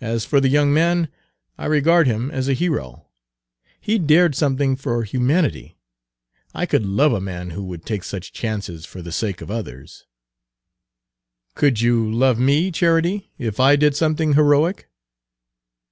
As for the young man, I regard him as a hero. He dared something for humanity. I could love a man who would take such chances for the sake of others." "Could you love me, Charity, if I did something heroic?"